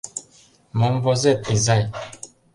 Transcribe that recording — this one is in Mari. Мом возет, изай?